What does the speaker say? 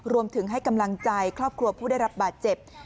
รวมถึงให้กำลังใจครอบครัวผู้ได้รับบาดเจ็บ